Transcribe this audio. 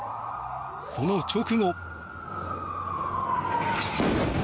その直後。